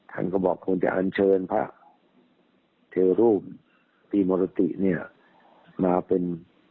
ท่านก็บอกว่าคงจะอัญเชิญพระเทศรูปปีมรติมาเป็น